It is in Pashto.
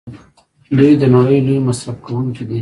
دوی د نړۍ لوی مصرف کوونکي دي.